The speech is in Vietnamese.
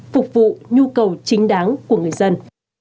phục vụ nhu cầu chính đáng của người dân